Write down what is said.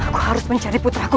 aku harus mencari putraku